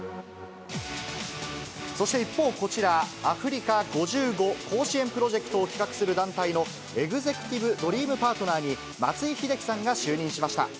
そして一方、こちら、アフリカ５５甲子園プロジェクトを企画する団体のエグゼクティブドリームパートナーに、松井秀喜さんが就任しました。